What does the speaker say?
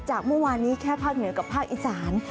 เมื่อวานนี้แค่ภาคเหนือกับภาคอีสาน